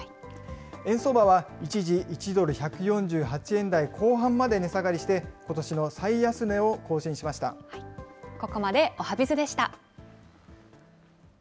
円相場は一時１ドル１４８円台後半まで値下がりして、ここまでおはＢｉｚでした。